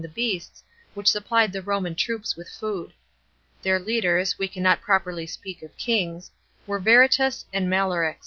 301 the beasts which supplied the Roman troops with food. Their leaders — we cannot properly speak of kings — were Verrittis and Malorix.